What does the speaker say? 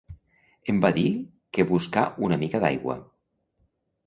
Em va dir que buscar una mica d'aigua.